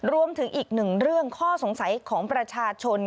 รวมถึงอีกหนึ่งเรื่องข้อสงสัยของประชาชน